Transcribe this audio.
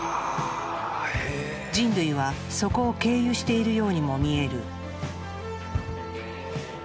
人類はそこを経由しているようにも見える。